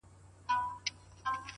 ډيره ژړا لـــږ خـــنــــــــــدا.!